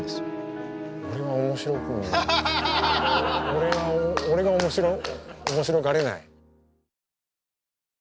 俺は俺が面白がれない。